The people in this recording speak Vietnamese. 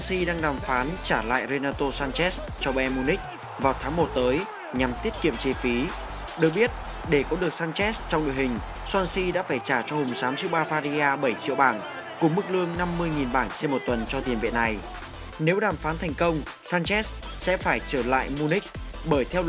xin chào và hẹn gặp lại trong các video tiếp theo